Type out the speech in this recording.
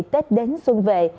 tết đến xuân về